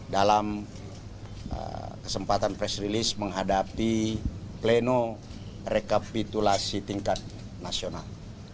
dalam kesempatan press release menghadapi pleno rekapitulasi tingkat nasional